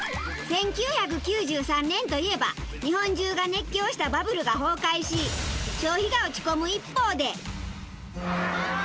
１９９３年といえば日本中が熱狂したバブルが崩壊し消費が落ち込む一方で。